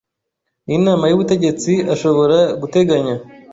n inama y ubutegetsi ashobora guteganya